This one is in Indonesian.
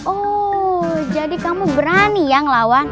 oh jadi kamu berani yang lawan